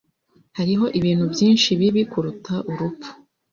Hariho ibintu byinshi bibi kuruta urupfu.